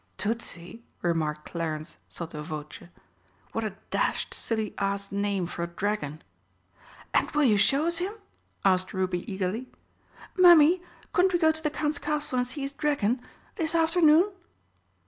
"Tootsie!" remarked Clarence sotto voce, "what a dashed silly ass name for a dragon!" "And will you show us him?" asked Ruby eagerly. "Mummy, couldn't we go to the Count's castle and see his dragon? This afternoon?"